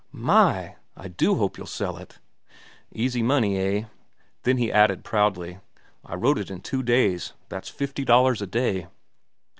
"My! I do hope you'll sell it!" "Easy money, eh?" Then he added proudly: "I wrote it in two days. That's fifty dollars a day."